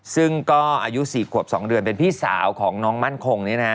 ซึ่งก็อายุ๔ขวบ๒เดือนเป็นพี่สาวของน้องมั่นคง